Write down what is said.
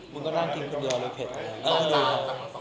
มึงก็นั่งกินคนเดียวเลยเผ็ด